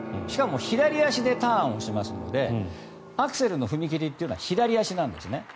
しかも左足でターンをしますのでアクセルの踏み切りというのは左足なんですね。